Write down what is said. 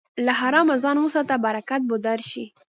له حرامه ځان وساته، برکت به درشي.